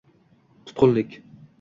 Tutqunlik